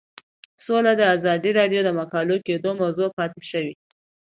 سوله د ازادي راډیو د مقالو کلیدي موضوع پاتې شوی.